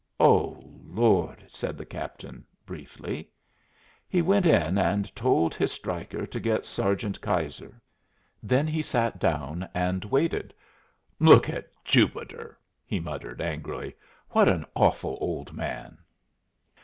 "Oh Lord!" said the captain, briefly. He went in and told his striker to get Sergeant Keyser. Then he sat down and waited. "'Look at Jupiter!'" he muttered, angrily. "What an awful old man!"